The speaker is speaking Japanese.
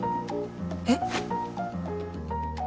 えっ？